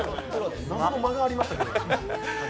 謎の間がありましたけど。